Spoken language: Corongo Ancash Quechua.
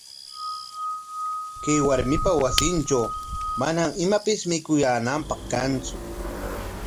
Chay warmipa wasintraw manam imapis mikuyaananpaq kantsu.